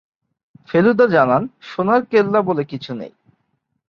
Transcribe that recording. ফেলুদা জানান, সোনার কেল্লা বলে কিছু নেই।